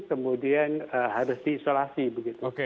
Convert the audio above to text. kemudian harus diisolasi begitu